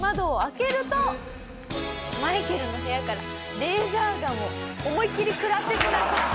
マイケルの部屋からレーザーガンを思いっきり食らってしまった。